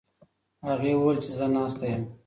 هغې وویل چې زه ناسته یم.